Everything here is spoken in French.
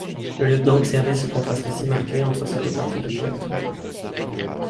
Le lieutenant observait ce contraste si marqué entre ces deux parties du territoire.